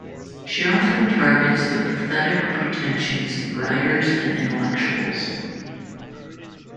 She often targets the pathetic pretensions of writers and intellectuals.